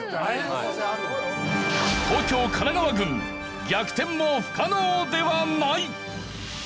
東京・神奈川軍逆転も不可能ではない！